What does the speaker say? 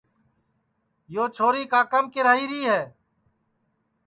یو چھوری کاکام کیراھیری ہے